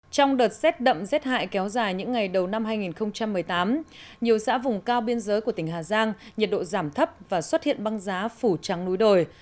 trong đợt rét đậm rét hại kéo dài những ngày đầu năm hai nghìn một mươi tám nhiều xã vùng cao biên giới của tỉnh hà giang nhiệt độ giảm thấp và xuất hiện băng giá phủ trắng núi đồi